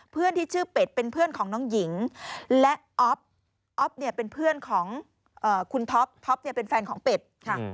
เพื่อนที่ชื่อเป็ดเป็นเพื่อนของน้องหญิงและอ๊อฟอ๊อฟเนี่ยเป็นเพื่อนของคุณท็อปท็อปเนี่ยเป็นแฟนของเป็ดค่ะ